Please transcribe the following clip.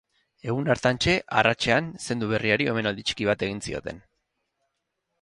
Egun hartantxe, arratsean, zendu berriari omenaldi txiki bat egin zioten.